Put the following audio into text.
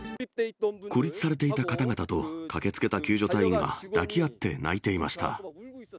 孤立されていた方々と、駆けつけた救助隊員が抱き合って泣いていました。